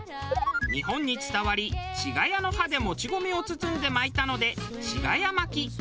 日本に伝わり茅の葉でもち米を包んで巻いたので茅巻き。